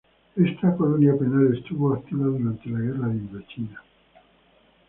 Esta colonia penal estuvo activa durante la Guerra de Indochina.